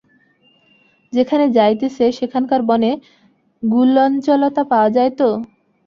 যেখানে যাইতেছে, সেখানকার বনে গুলঞ্চলতা পাওয়া যায় তো?